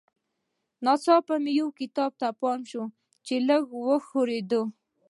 ناڅاپه مې یو کتاب ته پام شو چې لږ وښورېد